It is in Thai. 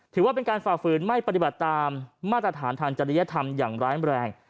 ถือว่าเป็นการฝ่าฝืนไม่ปฏิบัติตามมาตรฐานทางจริยธรรมอย่างร้ายแรง